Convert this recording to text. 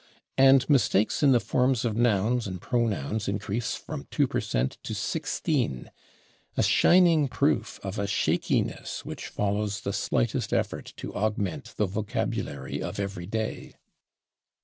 And mistakes in the forms of nouns and pronouns increase from 2 per cent to 16: a shining proof of a shakiness which follows the slightest effort to augment the vocabulary of everyday.